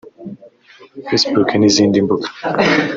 Facebook n’izindi mbuga